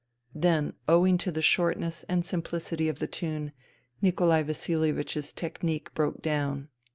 Then, owing to the shortness and simplicity of the tune, Nikolai Vasihevich's technique broke down.